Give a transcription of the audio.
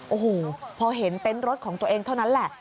โอ้โหพอเห็นเต็นต์รถของตัวเองเท่านั้นแหละ